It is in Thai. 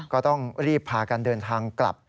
ก็ต้องรีบพากันเดินทางกลับ